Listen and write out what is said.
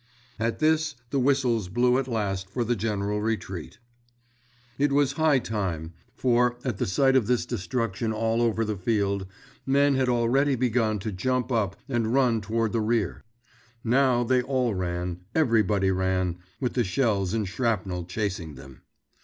At this, the whistles blew at last for the general retreat. It was high time; for, at the sight of this destruction all over the field, men had already begun to jump up and run toward the rear. Now they all ran—everybody ran—with the shells and shrapnel chasing them.